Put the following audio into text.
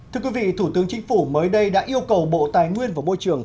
thưa quý vị thủ tướng chính phủ mới đây đã yêu cầu bộ tài nguyên và môi trường